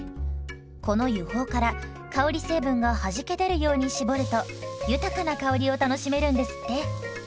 この油胞から香り成分がはじけ出るように搾ると豊かな香りを楽しめるんですって。